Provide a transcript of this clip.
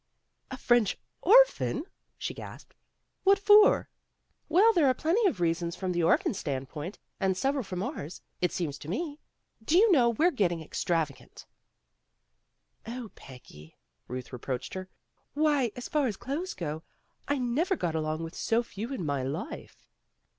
"A French orphan," she gasped, "What for?" "Well, there are plenty of reasons from the orphan's standpoint, and several from ours, it seems to me. Do you know we're getting ex travagant." 4 ' Oh, Peggy, '' Ruth reproached her. '* Why, as far as clothes go, I never got along with so few in my life."